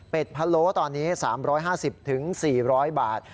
เป็นพะโล้ตอนนี้๓๕๐๔๐๐บาท